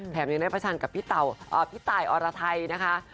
ยังได้ประชันกับพี่ตายอรไทยนะคะ